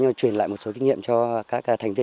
thiết bị phục vụ sản xuất nông nghiệp cho các hợp tác xã